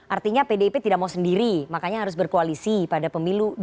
artinya pdip tidak mau sendiri makanya harus berkoalisi pada pemilu dua ribu sembilan belas